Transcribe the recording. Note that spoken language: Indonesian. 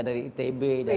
dari itb dari apa